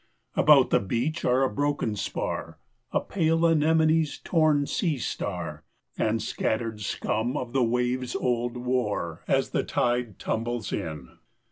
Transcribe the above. About the beach are a broken spar, A pale anemone's torn sea star And scattered scum of the waves' old war, As the tide tumbles in.